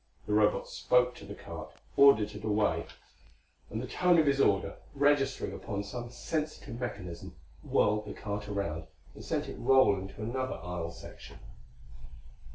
The Robot spoke to the cart; ordered it away; and the tone of his order, registering upon some sensitive mechanism, whirled the cart around and sent it rolling to another aisle section.